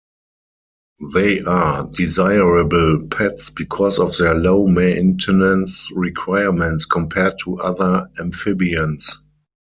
They are desirable pets because of their low maintenance requirements compared to other amphibians.